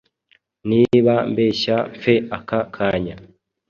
Niba mbeshya mpfe aka kanya